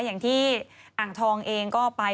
อย่างที่อ่างทองเองก็ไป